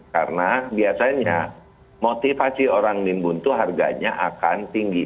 karena biasanya motivasi orang nimbun itu harganya akan tinggi